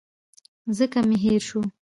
ځکه مي هېر شو .